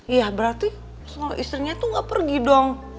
ya berarti kalau istrinya tuh gak pergi dong